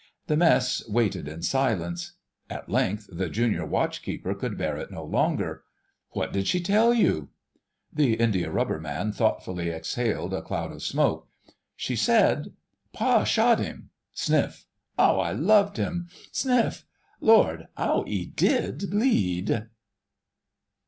The mess waited in silence: at length the Junior Watch keeper could bear it no longer. "What did she tell you?" The Indiarubber Man thoughtfully exhaled a cloud of smoke. "She said: 'Pa shot 'im.... Sniff!—'Ow I loved 'im.... Sniff!—Lor', 'ow 'e did bleed.